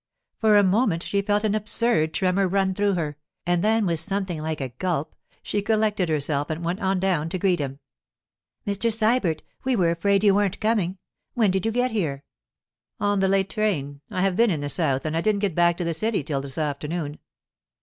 For a moment she felt an absurd tremor run through her, and then with something like a gulp she collected herself and went on down to greet him. 'Mr. Sybert! We were afraid you weren't coming. When did you get here?' 'On the late train. I have been in the south, and I didn't get back to the city till this afternoon.